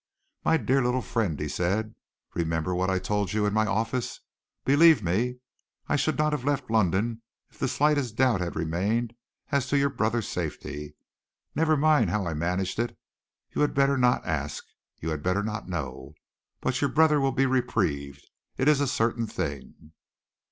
"My dear little friend," he said, "remember what I told you in my office. Believe me, I should not have left London if the slightest doubt had remained as to your brother's safety. Never mind how I managed it. You had better not ask; you had better not know. But your brother will be reprieved. It is a certain thing."